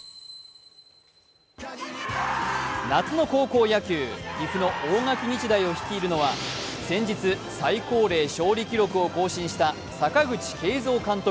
夏の高校野球、岐阜の大垣日大を率いるのは、先日、最高齢勝利記録を更新した阪口慶三監督